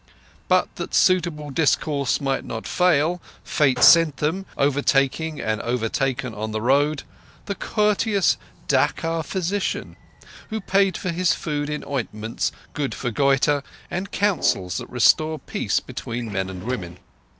But that suitable discourse might not fail, Fate sent them, overtaking and overtaken upon the road, the courteous Dacca physician, who paid for his food in ointments good for goitre and counsels that restore peace between men and women.